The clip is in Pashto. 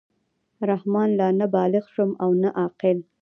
رحمان لا نه بالِغ شوم او نه عاقل.